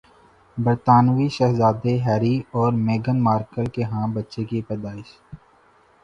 برطانوی شہزادے ہیری اور میگھن مارکل کے ہاں بچے کی پیدائش